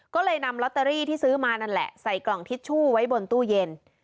ก็เลยนำลอตเตอรี่ที่ซื้อมานั่นแหละใส่กล่องทิชชู่ไว้บนตู้เย็น